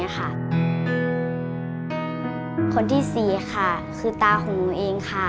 คนที่๔ค่ะคือตาของหนูเองค่ะ